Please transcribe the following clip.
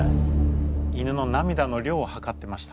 犬の涙の量を量ってました。